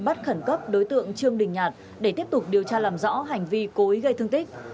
bắt khẩn cấp đối tượng trương đình nhạt để tiếp tục điều tra làm rõ hành vi cố ý gây thương tích